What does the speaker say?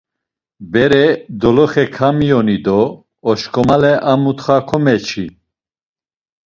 “Bere doloxe kamiyoni do oşǩomale a mutxa komeçi.”